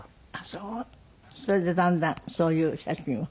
それでだんだんそういう写真を？